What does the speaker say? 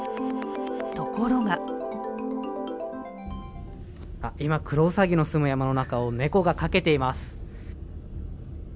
ところが今、クロウサギの住む山の中を猫が駆けています。